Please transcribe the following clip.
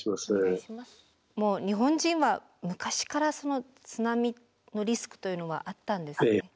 もう日本人は昔から津波のリスクというのはあったんですね。